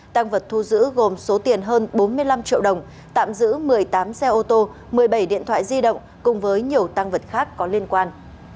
tăng vật thu giữ gồm số tiền hơn bốn mươi năm triệu đồng tạm giữ một mươi tám xe ô tô một mươi bảy điện thoại di động cùng với nhiều tăng vật khác có liên quan